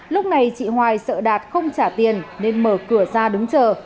lúc này chị hoài sợ đạt không trả tiền nên mở cửa ra đứng chờ